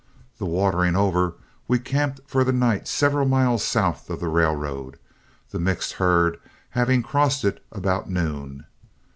The watering over, we camped for the night several miles south of the railroad, the mixed herd having crossed it about noon.